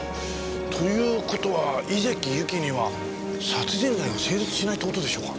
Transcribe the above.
という事は井関ゆきには殺人罪は成立しないって事でしょうか？